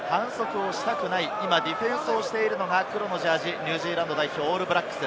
ディフェンスしているのが黒のジャージー、ニュージーランド代表・オールブラックス。